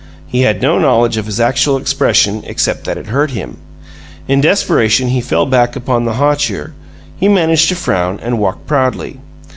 He had no knowledge of his actual expression except that it hurt him. In desperation he fell back upon hauteur; he managed to frown, and walked proudly.